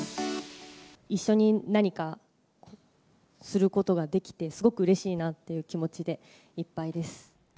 一緒に何かすることができて、すごくうれしいなっていう気持ちでいっぱいです。